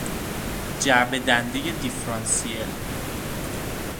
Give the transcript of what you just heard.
جعبه دندهی دیفرانسیل